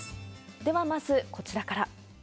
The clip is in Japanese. では、まずこちらから。